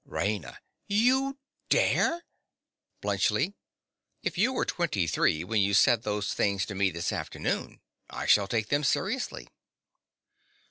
RAINA. You dare! BLUNTSCHLI. If you were twenty three when you said those things to me this afternoon, I shall take them seriously.